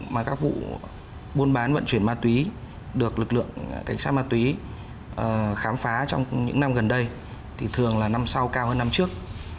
mà các vụ buôn bán vận chuyển ma túy được lực lượng cảnh sát ma túy khám phá trong những năm gần đây thì thường là năm sau cao hơn năm trước